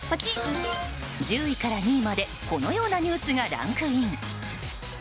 １０位から２位までこのようなニュースがランクイン。